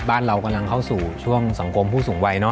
บ้านเรากำลังเข้าสู่ช่วงสังคมผู้สูงวัยเนอ